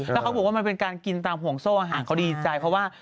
แล้วเขาบอกว่ามันเป็นการกินตามห่วงโซ่อาหารเขาดีใจเพราะว่า